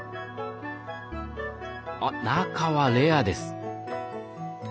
あっ中はレアです。